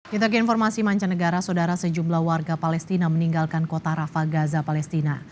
kita ke informasi mancanegara saudara sejumlah warga palestina meninggalkan kota rafa gaza palestina